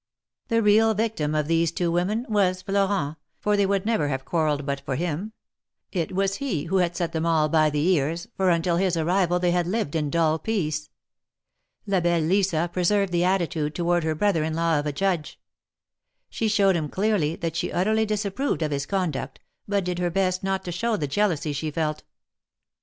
The real victim of these two women was Florent, for they would never have quarrelled but for him — it was he who had set them all by the ears, for until his arrival they had lived in dull peace. La belle Lisa preserved the attitude toward her brother in law of a judge. She showed him clearly that she utterly disapproved of his conduct^ but did her best not to show the jealousy she felt.